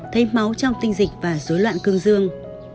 thấy máu trong tinh dịch và dối loạn cương dương